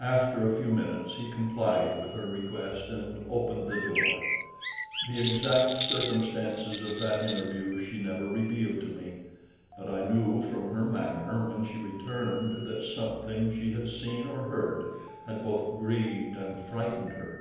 After a few minutes he complied with her request and opened the door. The exact circumstances of that interview she never revealed to me, but I knew from her manner when she returned that something she had seen or heard had both grieved and frightened her.